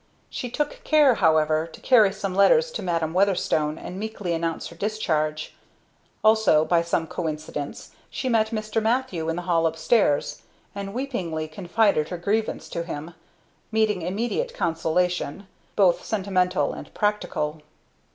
She took care, however, to carry some letters to Madam Weatherstone, and meekly announced her discharge; also, by some coincidence, she met Mr. Matthew in the hall upstairs, and weepingly confided her grievance to him, meeting immediate consolation, both sentimental and practical.